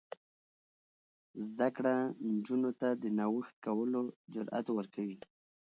زده کړه نجونو ته د نوښت کولو جرات ورکوي.